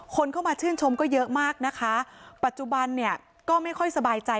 คนเข้ามาชื่นชมก็เยอะมากนะคะปัจจุบันเนี่ยก็ไม่ค่อยสบายใจ